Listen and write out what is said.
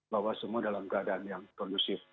bahwa semua dalam keadaan yang kondusif